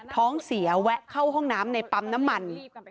ท้องเสียแวะเข้าห้องน้ำในปั๊มน้ำมัน